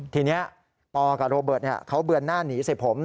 ทีนี้ปกับโรเบิร์ตเขาเบือนหน้าหนีใส่ผม